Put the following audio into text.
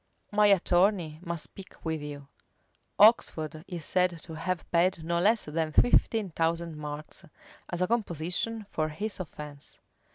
My attorney must speak with you." Oxford is said to have paid no less than fifteen thousand marks, as a composition for his offence.